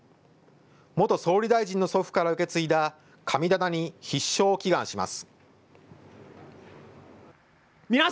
元総理大臣の祖父から受け継いだ神棚に必勝祈願します。